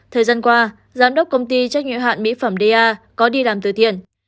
thời gian qua giám đốc công ty chất nhiễu hạn mỹ phẩm da có đi làm từ thiện